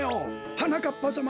はなかっぱさま？